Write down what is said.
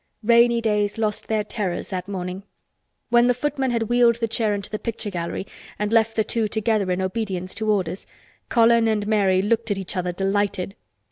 Rainy days lost their terrors that morning. When the footman had wheeled the chair into the picture gallery and left the two together in obedience to orders, Colin and Mary looked at each other delighted.